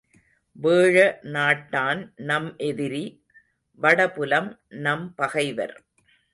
வேழநாட்டான் நம் எதிரி!... வடபுலம் நம் பகைவர்!